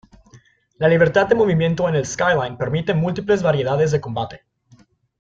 La libertad de movimiento en el Skyline permite múltiples variedades de combate.